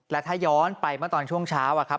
แล้วถ้าย้อนไปเมื่อตอนช่วงเช้าอะครับ